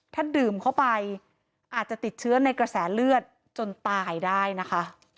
ถ้าดื่มเข้าไปอาจจะติดเชื้อในกระแสเลือดจนตายได้นะคะ